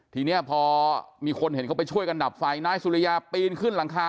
ทีนี้พอมีคนเห็นเขาไปช่วยกันดับไฟนายสุริยาปีนขึ้นหลังคา